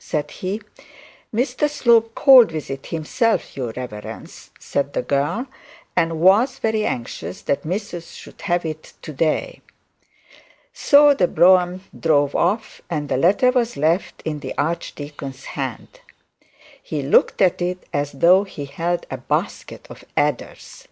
said he. 'Mr Slope called with it himself, your reverence,' said the girl; ' and was very anxious that missus should have it to day.' So the brougham drove off, and the letter was left in the archdeacon's hand. He looked at it as though he held a basket of adders.